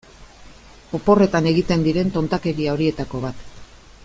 Oporretan egiten diren tontakeria horietako bat.